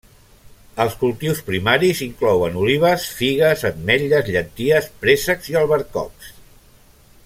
Els cultius primaris inclouen olives, figues, ametlles, llenties, préssecs i albercocs.